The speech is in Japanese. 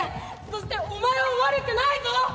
そしてお前は悪くないぞ！